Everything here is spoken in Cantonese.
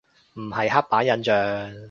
唔係刻板印象